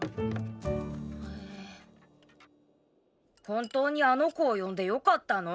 本当にあの子を呼んでよかったの？